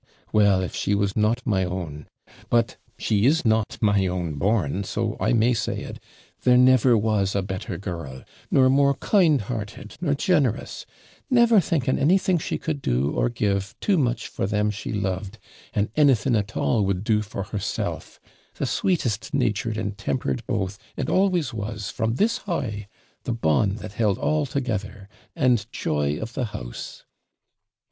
Well, if she was not my own but she is not my own born so I may say it there never was a better girl, nor a more kind hearted, nor generous; never thinking anything she could do, or give, too much for them she loved, and anything at all would do for herself; the sweetest natured and tempered both, and always was, from this high; the bond that held all together, and joy of the house.'